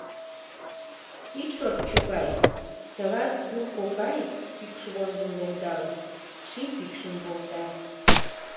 Ит шорт, чукай, Тылат ур кокай, Пӱкшвондым лоҥдал, Ший пӱкшым волта.